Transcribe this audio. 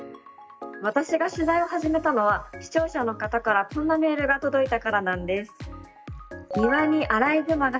私が取材を始めたのは視聴者の方からこんなメールが届いたからなんです。